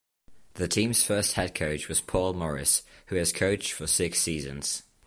The team's first head coach was Paul Maurice, who has coached for six seasons.